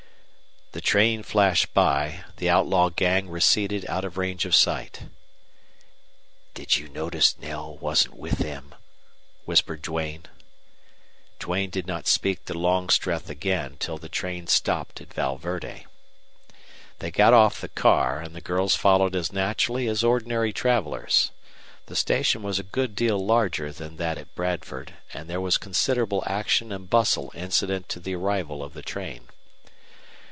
The train flashed by; the outlaw gang receded out of range of sight. "Did you notice Knell wasn't with them?" whispered Duane. Duane did not speak to Longstreth again till the train stopped at Val Verde. They got off the car, and the girls followed as naturally as ordinary travelers. The station was a good deal larger than that at Bradford, and there was considerable action and bustle incident to the arrival of the train.